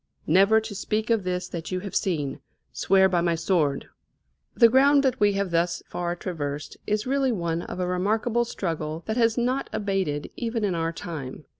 _ Never to speak of this that you have seen, Swear by my sword." The ground that we have thus far traversed is really one of a remarkable struggle, that has not abated even in our time.